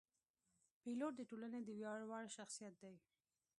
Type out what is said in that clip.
پیلوټ د ټولنې د ویاړ وړ شخصیت دی.